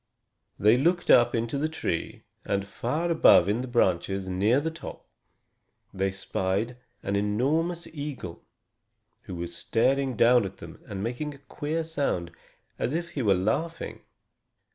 They looked up into the tree, and far above in the branches, near the top, they spied an enormous eagle, who was staring down at them, and making a queer sound, as if he were laughing.